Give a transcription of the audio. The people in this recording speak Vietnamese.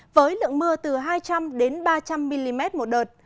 với lượng mưa từ hai trăm linh ba trăm linh mm một đợt